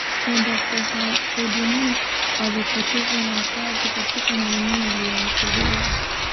kwenda kuwahudumia waliopoteza makazi katika maeneo yaliyoathiriwa